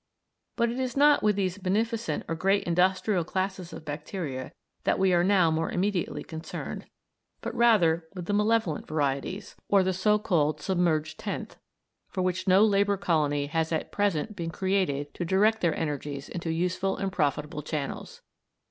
But it is not with these beneficent or great industrial classes of bacteria that we are now more immediately concerned, but rather with the malevolent varieties, or the so called "submerged tenth," for which no labour colony has at present been created to direct their energies into useful and profitable channels.